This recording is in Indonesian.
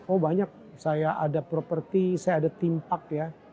oh banyak saya ada properti saya ada timpak ya